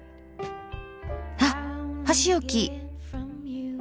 あっ箸置き。